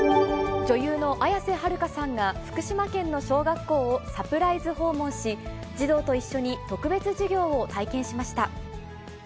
女優の綾瀬はるかさんが、福島県の小学校をサプライズ訪問し、児童と一緒に特別授業を体験しました。